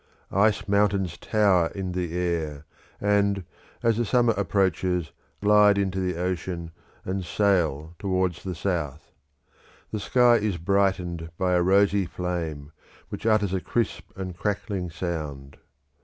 Ice mountains tower in the air, and, as the summer approaches, glide into the ocean and sail towards the south, The sky is brightened by a rosy flame, which utters a crisp and crackling sound.